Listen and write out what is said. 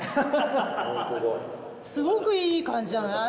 ホントだすごくいい感じじゃない？